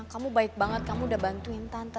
kamu baik banget kamu udah bantuin tante